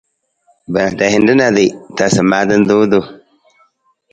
Kamang, tasa maata nta wutung.